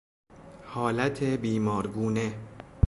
حالت بیمارگونه